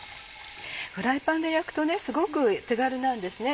フライパンで焼くとすごく手軽なんですね。